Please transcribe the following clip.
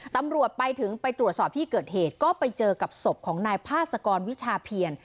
ตำรวจไปถึงไปตรวจสอบที่เกิดเหตุก็ไปเจอกับศพของนายพาสกรวิชาเพียร